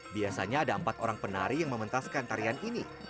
biasanya ada empat orang penari yang mementaskan tarian ini